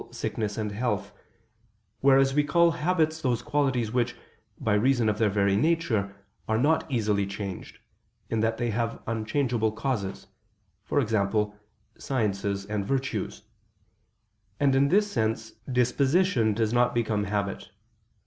sickness and health: whereas we call habits those qualities which, by reason of their very nature, are not easily changed, in that they have unchangeable causes, e.g. sciences and virtues. And in this sense, disposition does not become habit.